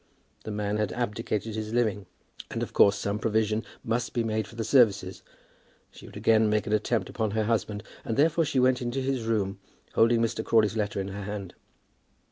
The man had abdicated his living, and of course some provision must be made for the services. She would again make an attempt upon her husband, and therefore she went into his room holding Mr. Crawley's letter in her hand.